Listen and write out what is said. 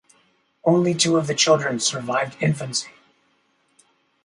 Only two of the children survived infancy.